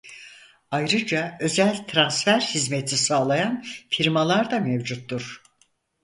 Ayrıca özel transfer hizmeti sağlayan firmalar da mevcuttur.